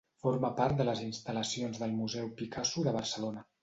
Forma part de les instal·lacions del Museu Picasso de Barcelona.